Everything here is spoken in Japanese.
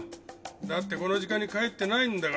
だってこの時間に帰ってないんだからさ。